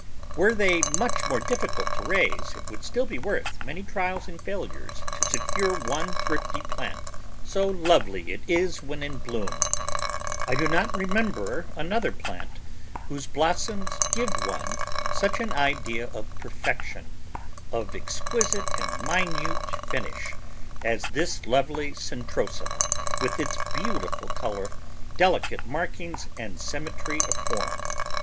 Were they much more difficult to raise, it would still be worth many trials and failures to secure one thrifty plant, so lovely it is when in bloom. I do not remember another plant whose blossoms give one such an idea of perfection— of exquisite and minute finish, as this lovely Centrosema with its beautiful colour, delicate markings, and symmetry of form.